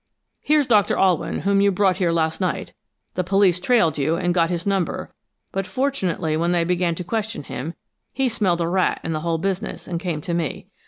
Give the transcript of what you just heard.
"Here's Doctor Alwyn, whom you brought here last night. The police trailed you, and got his number, but fortunately when they began to question him, he smelled a rat in the whole business and came to me.